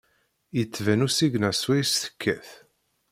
Yettban usigna swayes tekkat.